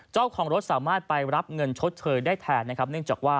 เจ้าของรถสามารถไปรับเงินชดเชยได้แทนนะครับเนื่องจากว่า